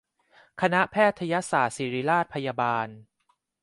คณะแพทยศาสตร์ศิริราชพยาบาล